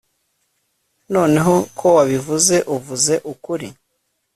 Noneho ko wabivuze uvuze ukuri